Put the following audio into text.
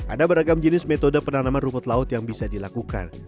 ada beragam jenis metode penanaman rumput laut yang bisa dilakukan